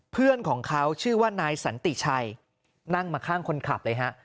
เพื่อนของเขาชื่อว่านายสันติชัยนั่งมาข้างคนขับเลยฮะ